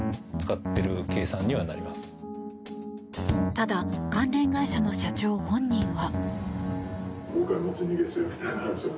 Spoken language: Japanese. ただ関連会社の社長本人は。